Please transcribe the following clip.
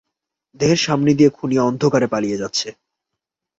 দেহের সামনে দিয়ে খুনি অন্ধকারে পালিয়ে যাচ্ছে।